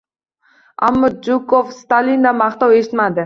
Ammo Jukov Stalindan maqtov eshitmadi